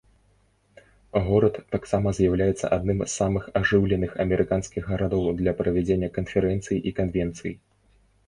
Горад таксама з'яўляецца адным з самых ажыўленых амерыканскіх гарадоў для правядзення канферэнцый і канвенцый.